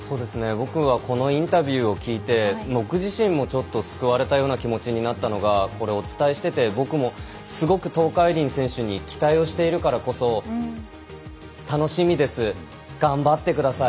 僕はこのインタビューを聞いて、僕自身もちょっと救われたような気持ちになったのがここでお伝えしてて僕もすごく東海林選手に期待しているからこそ楽しみです、頑張ってください